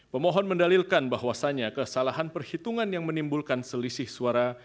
pemohon mendalilkan bahwasannya kesalahan perhitungan yang menimbulkan selisih suara